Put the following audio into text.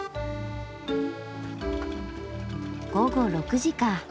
午後６時か。